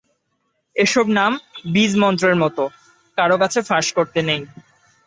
এ-সব নাম বীজমন্ত্রের মতো, কারো কাছে ফাঁস করতে নেই।